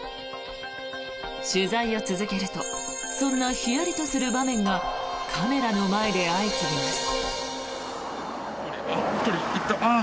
取材を続けるとそんなひやりとする場面がカメラの前で相次ぎます。